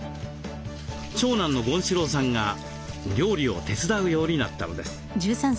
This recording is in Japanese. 長男の権志朗さんが料理を手伝うようになったのです。